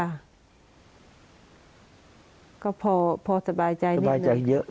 ก็พอสบายใจนิดนึง